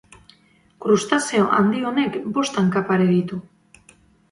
Krustazeo handi honek bost hanka pare ditu.